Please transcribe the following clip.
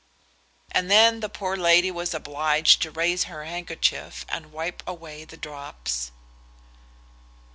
And then the poor lady was obliged to raise her handkerchief and wipe away the drops.